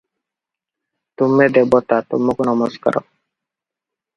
ତୁମେ ଦେବତା, ତୁମକୁ ନମସ୍କାର ।